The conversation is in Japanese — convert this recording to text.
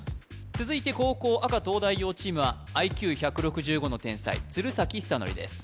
続いて後攻赤東大王チームはＩＱ１６５の天才鶴崎修功です